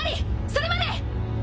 それまで！